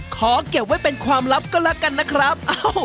ขอเก็บไว้เป็นความลับก็แล้วกันนะครับ